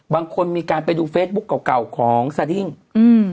บางคนมีการไปดูเฟซบุ๊คเก่าเก่าของสดิ้งอืม